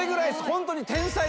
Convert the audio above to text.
ホントに。